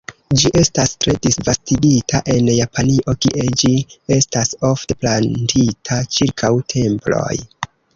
Ĝi estas tre disvastigita en Japanio, kie ĝi estas ofte plantita ĉirkaŭ temploj.